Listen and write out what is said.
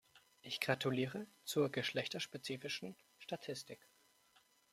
Ich gratuliere zur geschlechterspezifischen Statistik.